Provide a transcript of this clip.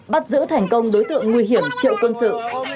bắt giữ thành công đối tượng nguy hiểm triệu quân sự